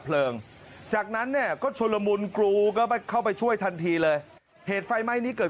เพลิงจากนั้นเนี่ยก็ชุลมุนกรูก็เข้าไปช่วยทันทีเลยเหตุไฟไหม้นี้เกิด